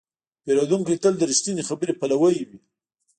پیرودونکی تل د رښتینې خبرې پلوی وي.